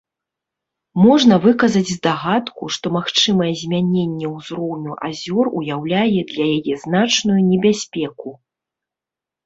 Можна выказаць здагадку, што магчымае змяненне ўзроўню азёр ўяўляе для яе значную небяспеку.